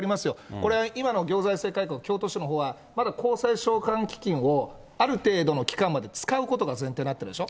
これ、今の行財政改革、京都市のほうは、まだ公債償還基金を、ある程度の期間まで使うことが前提になってるでしょ。